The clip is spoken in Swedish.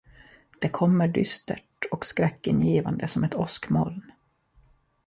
Det kommer dystert och skräckingivande som ett åskmoln.